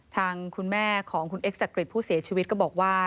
ทางคุณแม่ของคุณเอ็กจักริตผู้เสียชีวิตก็บอกว่า